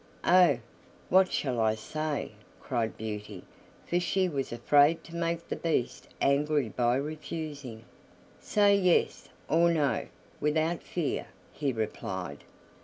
"Oh! what shall I say?" cried Beauty, for she was afraid to make the Beast angry by refusing. "Say 'yes' or 'no' without fear," he replied.